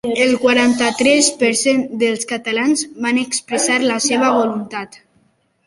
El quaranta-tres per cent dels catalans van expressar la seva voluntat.